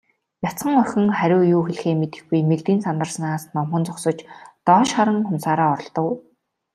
Бяцхан охин хариу юу хэлэхээ мэдэхгүй, мэгдэн сандарснаас номхон зогсож, доош харан хумсаараа оролдов.